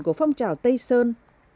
của phong trào tây sơn